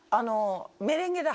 『メレンゲ』だ。